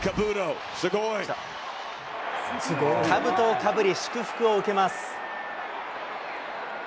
かぶとをかぶり、祝福を受けます。